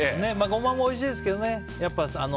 ゴマもおいしいですけどね。